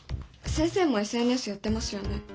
先生もＳＮＳやってますよね？